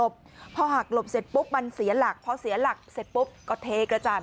พอเสียหลักเสร็จปุ๊บก็เทกระจ่ายมา